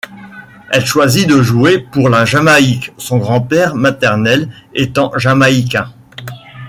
Elle choisit de jouer pour la Jamaïque, son grand-père maternel étant Jamaïcain.